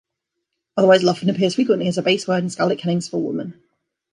Otherwise Lofn appears frequently as a base word in skaldic kennings for woman.